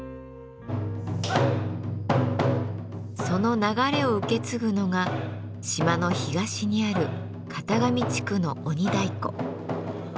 その流れを受け継ぐのが島の東にある潟上地区の鬼太鼓。